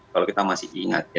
kalau kita masih ingat ya